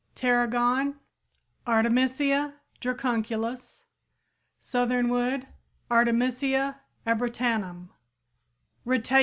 Tarragon (Artemisia Dracunculus, Linn.). Southernwood (Artemisia Abrotanum, Linn.).